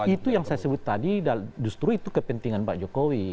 itu yang saya sebut tadi justru itu kepentingan pak jokowi